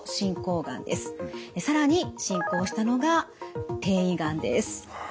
更に進行したのが転移がんです。